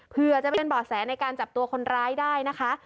เพื่อจะเป็นบ่อแสในการจับตัวคนร้ายได้นะคะ